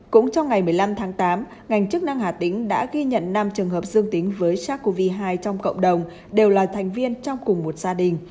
cũng trong ngày một mươi năm tháng tám ngành chức năng hà tĩnh đã ghi nhận năm trường hợp dương tính với sars cov hai trong cộng đồng đều là thành viên trong cùng một gia đình